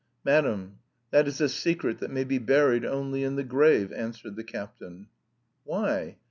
"Madam, that is a secret that may be buried only in the grave!" answered the captain. "Why?"